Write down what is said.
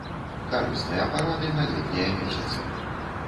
Карысныя парады на летнія месяцы.